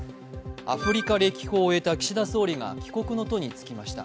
アフリカ歴訪を終えた岸田総理が帰国の途に就きました。